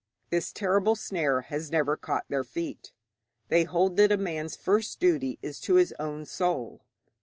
This terrible snare has never caught their feet. They hold that a man's first duty is to his own soul.